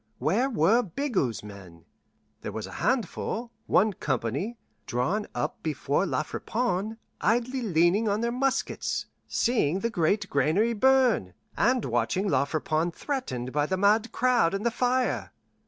Where were Bigot's men? There was a handful one company drawn up before La Friponne, idly leaning on their muskets, seeing the great granary burn, and watching La Friponne threatened by the mad crowd and the fire.